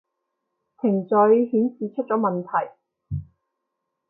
程序顯示出咗問題